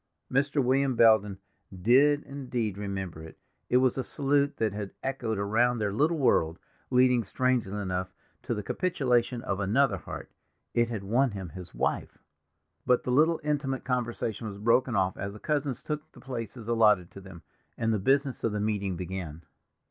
Mr. William Belden did indeed remember it; it was a salute that had echoed around their little world, leading, strangely enough, to the capitulation of another heart—it had won him his wife. But the little intimate conversation was broken off as the cousins took the places allotted to them, and the business of the meeting began.